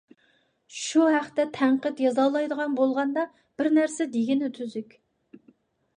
شۇ ھەقتە تەنقىد يازالايدىغان بولغاندا بىر نەرسە دېگىنى تۈزۈك.